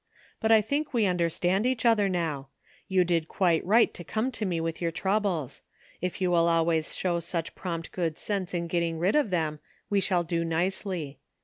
But I think we understand each other now ; you did quite right to come to me with your troubles ; if you will always show such prompt good sense in getting rid of them, we shall do nicely.